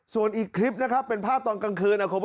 ส่วนอีกคลิปนะครับเป็นภาพตอนกลางคืน